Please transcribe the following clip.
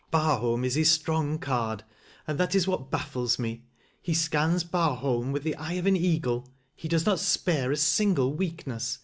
Barholm is his strong card, and that is what baf fles me. He scans Barholm with the eye of an eagle. He does not spare a single weakness.